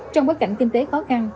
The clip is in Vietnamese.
trong bối cảnh kinh tế khó khăn